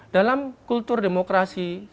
dalam kultur demokrasi